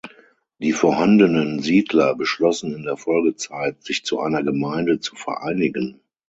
Die vorhandenen Siedler beschlossen in der Folgezeit, sich zu einer Gemeinde zu vereinigen.